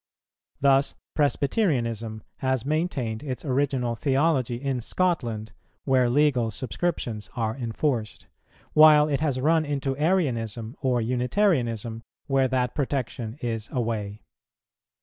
Thus Presbyterianism has maintained its original theology in Scotland where legal subscriptions are enforced, while it has run into Arianism or Unitarianism where that protection is away.